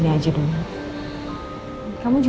the setan tersampot ya